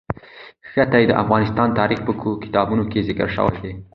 ښتې د افغان تاریخ په کتابونو کې ذکر شوی دي.